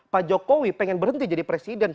pak jokowi pengen berhenti jadi presiden